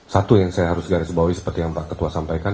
satu yang saya harus garis bawahi seperti yang pak ketua sampaikan